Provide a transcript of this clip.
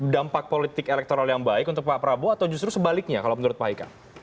dampak politik elektoral yang baik untuk pak prabowo atau justru sebaliknya kalau menurut pak hika